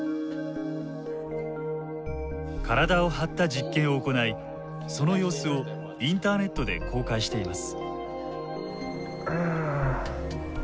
体を張った実験を行いその様子をインターネットで公開しています。